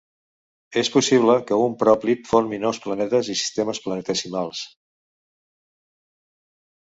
És possible que un pròplid formi nous planetes i sistemes planetesimals.